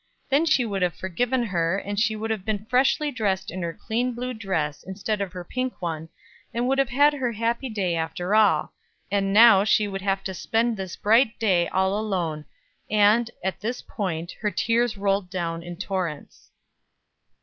Then she would have forgiven her, and she would have been freshly dressed in her clean blue dress instead of her pink one, and would have had her happy day after all; and now she would have to spend this bright day all alone; and, at this point, her tears rolled down in torrents.